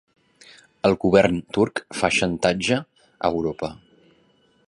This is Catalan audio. El govern turc fa xantatge a Europa